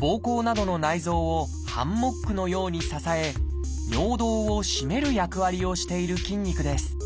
ぼうこうなどの内臓をハンモックのように支え尿道を締める役割をしている筋肉です。